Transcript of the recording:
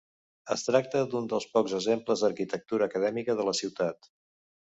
Es tracta d'un dels pocs exemples d'arquitectura acadèmica de la ciutat.